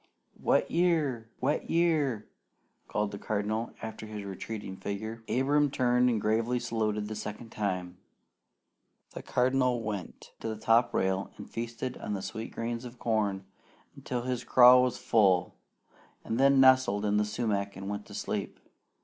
"Wet year! Wet year!" called the Cardinal after his retreating figure. Abram turned and gravely saluted the second time. The Cardinal went to the top rail and feasted on the sweet grains of corn until his craw was full, and then nestled in the sumac and went to sleep.